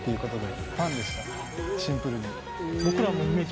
シンプルに。